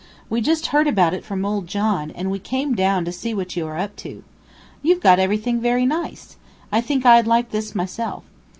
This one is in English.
We just heard about it from old John, and we came down to see what you are up to. You've got everything very nice. I think I'd like this myself.